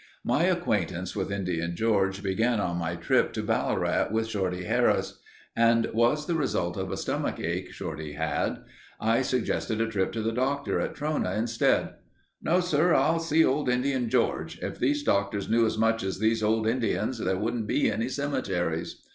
My acquaintance with Indian George began on my first trip to Ballarat with Shorty Harris and was the result of a stomach ache Shorty had. I suggested a trip to a doctor at Trona instead. "No, sir. I'll see old Indian George. If these doctors knew as much as these old Indians, there wouldn't be any cemeteries."